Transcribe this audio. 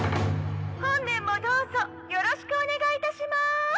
本年もどうぞよろしくお願いいたします。